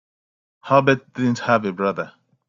Albert didn't have a brother.